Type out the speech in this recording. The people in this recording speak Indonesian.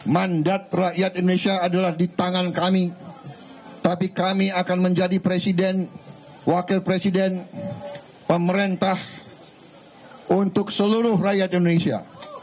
mandat rakyat indonesia adalah di tangan kami tapi kami akan menjadi presiden wakil presiden pemerintah untuk seluruh rakyat indonesia